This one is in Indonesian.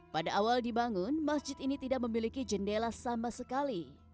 pada awal dibangun masjid ini tidak memiliki jendela sama sekali